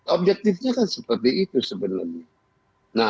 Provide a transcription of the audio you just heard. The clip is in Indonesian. objektifnya seperti itu sebenarnya